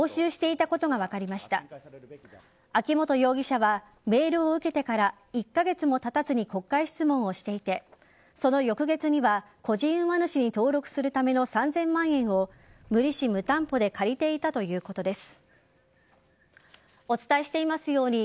秋本容疑者はメールを受けてから１カ月もたたずに国会質問をしていてその翌月には個人馬主に登録するための３０００万円を無利子・無担保で借りていたということです。